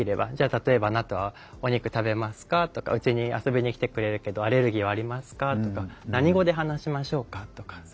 例えば「あなたはお肉食べますか？」とか「うちに遊びに来てくれるけどアレルギーはありますか？」とか「何語で話しましょうか？」とかそういうのって